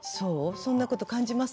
そんなこと感じます？